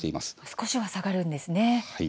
少しは下がるんですね。